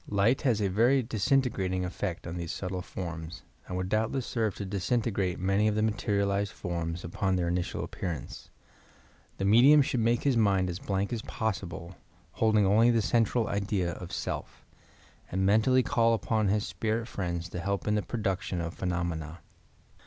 Light has a very disintegrating effect on these subtle forms and would doubtless serve to disintegrate many of the materialized forms upon their initial appear ance. The medium should make his mind as blank as possible, holding only the central idea of self, and men tally call upon his spirit friends to help in the produc tion of phenomena.